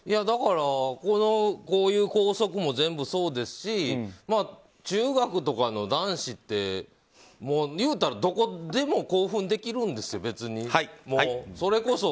だから、こういう校則も全部そうですし中学とかの男子って言うたら、どこでも興奮できるんですよ、別に。